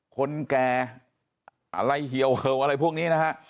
คนแก่อะไรเหี่ยวเห่าอะไรพวกนี้นะฮะ